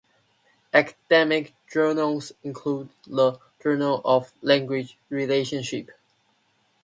Academic journals include the "Journal of Language Relationship".